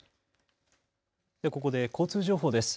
ここで交通情報です。